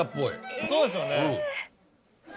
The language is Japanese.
そうですよね。